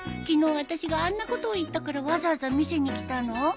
昨日あたしがあんなことを言ったからわざわざ見せに来たの？